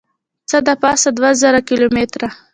څه دپاسه دوه زره کیلو متره